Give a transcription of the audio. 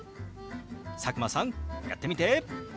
佐久間さんやってみて！